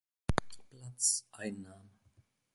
Platz einnahm.